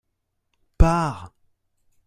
Part !